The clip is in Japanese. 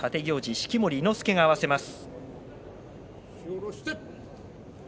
式守伊之助が合わせます。